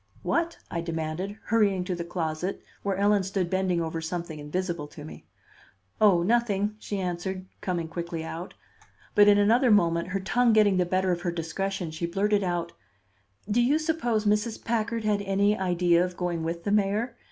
"What?" I demanded, hurrying to the closet, where Ellen stood bending over something invisible to me. "Oh, nothing," she answered, coming quickly out. But in another moment, her tongue getting the better of her discretion, she blurted out: "Do you suppose Mrs. Packard had any idea of going with the mayor?